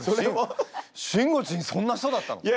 しんごちんそんな人だったの？